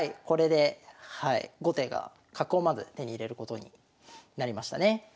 これではい後手が角をまず手に入れることになりましたね。